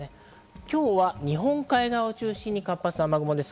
今日は日本海側を中心に活発な雨雲です。